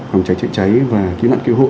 phòng cháy trợ cháy và cứu nạn cứu hộ